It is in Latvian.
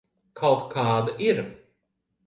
Kaut kāda ir.